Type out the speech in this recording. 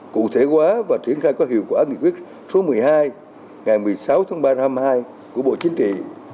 cụ thể hóa và triển khai có hiệu quả nghị quyết số một mươi hai ngày một mươi sáu tháng ba năm hai của bộ chính trị